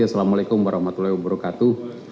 assalamu'alaikum warahmatullahi wabarakatuh